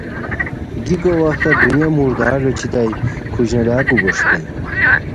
گیکو وختہ دنیا مردار لوچھیتائے، کھوشنالاکو بوݰیتائی